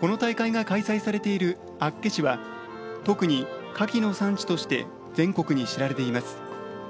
この大会が開催されている厚岸は特にカキの産地として全国に知られています。